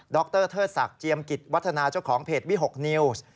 รเทิดศักดิ์เจียมกิจวัฒนาเจ้าของเพจวิหกนิวส์